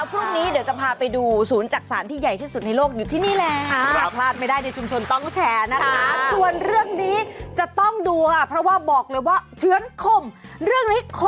พรุ่งนี้เดี๋ยวจะพาไปดูศูนย์จักษานที่ใหญ่ที่สุดในโลกอยู่ที่นี่แหละ